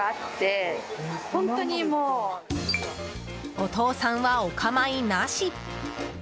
お父さんはお構いなし。